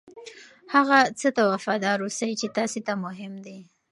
هغه څه ته وفادار اوسئ چې تاسې ته مهم دي.